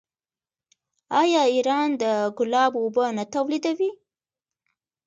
آیا ایران د ګلابو اوبه نه تولیدوي؟